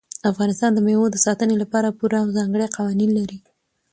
افغانستان د مېوو د ساتنې لپاره پوره او ځانګړي قوانین لري.